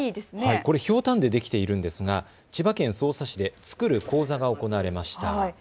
これ、ひょうたんでできているんですが千葉県匝瑳市で作る講座が行われました。